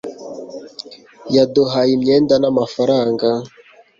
yaduhaye imyenda, n'amafaranga